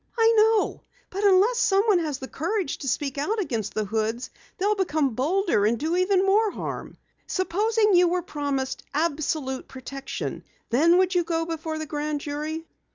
"I know. But unless someone has the courage to speak out against the Hoods they'll become bolder and do even more harm. Supposing you were promised absolute protection. Then would you go before the Grand Jury?"